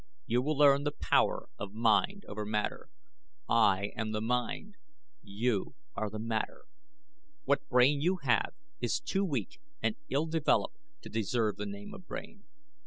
You will learn the power of mind over matter. I am the mind. You are the matter. What brain you have is too weak and ill developed to deserve the name of brain.